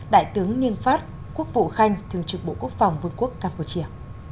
đại tướng nhiên phát quốc vụ khanh thường trực bộ quốc phòng vương quốc campuchia